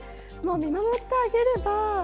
もう見守ってあげれば。